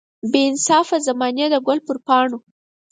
بې انصافه زمانې د ګل پر پاڼو.